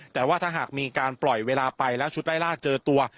แต่ว่าถ้าหากมีการปล่อยเวลาไปแล้วชุดไล่ลากเจอตัว